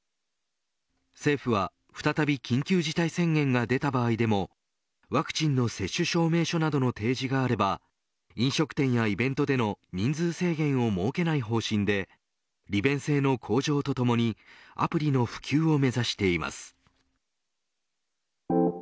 政府は再び緊急事態宣言が出た場合でもワクチンの接種証明書などの提示があれば飲食店やイベントでの人数制限を設けない方針で利便性の向上とともにアプリの普及を目指しています。